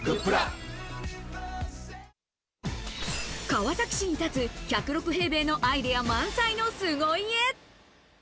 川崎市に建つ１０６平米のアイデア満載の凄家。